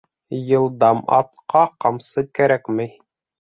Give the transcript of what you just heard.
Йылдам атҡа ҡамсы кәрәкмәй.